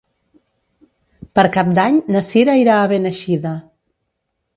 Per Cap d'Any na Cira irà a Beneixida.